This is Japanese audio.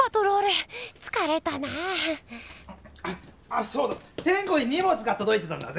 あっそうだ！